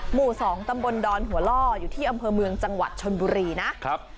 หมู่๒ตำบลดอนหัวล่ออยู่ที่อำเภอเมืองจังหวัดชนบุรีนะครับ